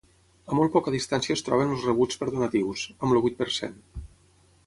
A molt poca distància es troben els rebuts per donatius, amb el vuit per cent.